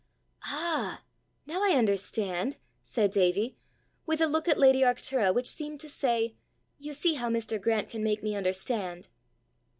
"Ah, now I understand!" said Davie, with a look at lady Arctura which seemed to say, "You see how Mr. Grant can make me understand!"